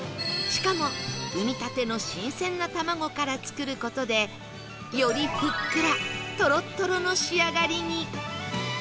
しかも産みたての新鮮な卵から作る事でよりふっくらトロットロの仕上がりに